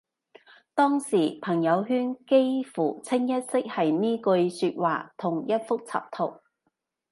當時朋友圈幾乎清一色係呢句說話同一幅插圖